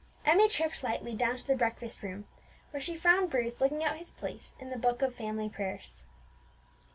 Emmie tripped lightly down to the breakfast room, where she found Bruce looking out his place in the book of family prayers.